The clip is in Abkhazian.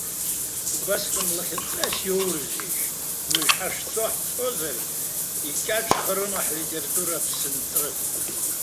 Убасҟан лахьынҵас иоурызеишь, уажәы ҳашцо ҳцозар икьаҿхарыма ҳлитература аԥсынҵры?